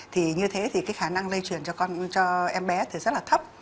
thì như thế thì cái khả năng lây truyền cho con cho em bé thì rất là thấp